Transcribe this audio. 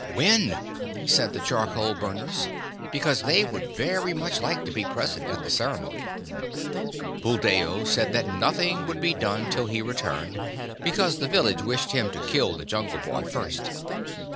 "When?" said the charcoal burners, because they would very much like to be present at the ceremony. Buldeo said that nothing would be done till he returned, because the village wished him to kill the Jungle Boy first.